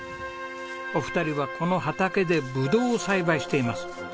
お二人はこの畑でブドウを栽培しています。